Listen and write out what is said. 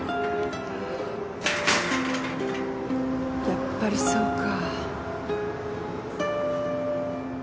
やっぱりそうか。